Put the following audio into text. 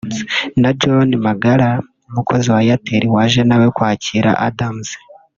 na John Magara umukozi wa Airtel waje nawe kwakira Adams